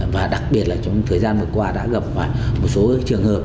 và đặc biệt là trong thời gian vừa qua đã gặp khoảng một số trường hợp